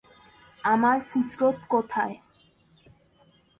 আমার ফুরসত কোথায়?